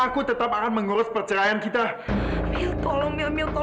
kamu harus ingat